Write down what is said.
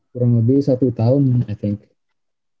kurang lebih satu tahun saya pikir